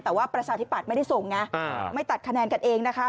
แต่ว่าประชาธิปัตย์ไม่ได้ส่งไงไม่ตัดคะแนนกันเองนะคะ